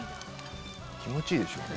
気持ちいいでしょうね